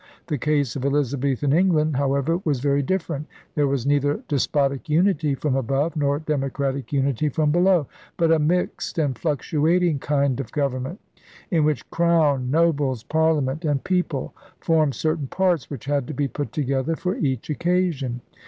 The case of Elizabethan England, however, was very different. There was neither despotic unity from above nor democratic unity 54 ELIZABETHAN SEA DOGS from below, but a mixed and fluctuating kind of government in which Crown, nobles, parliament, and people formed certain parts which had to be put together for each occasion.